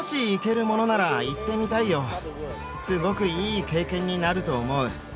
すごくいい経験になると思う。